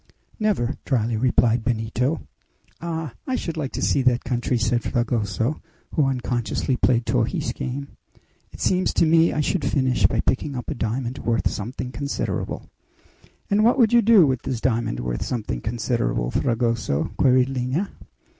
"Never," dryly replied Benito. "Ah! I should like to see that country," said Fragoso, who unconsciously played Torres' game. "It seems to me I should finish by picking up a diamond worth something considerable." "And what would you do with this diamond worth something considerable, Fragoso?" queried Lina.